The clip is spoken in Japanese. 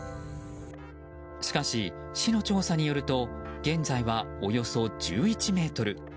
しかし、市の調査によると現在は、およそ１１ｍ。